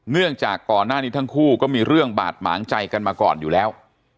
เนื่องจากก่อนหน้านี้ทั้งคู่ก็มีเรื่องบาดหมางใจกันมาก่อนอยู่แล้ว